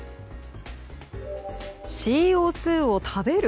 ＣＯ２を食べる？